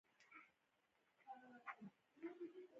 ځغاسته د ذهني سکون یو ډول دی